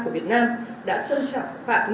giữa việt nam và trung quốc